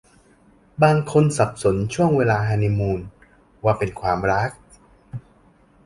บางคนสับสนช่วงเวลาฮันนีมูนว่าเป็นความรัก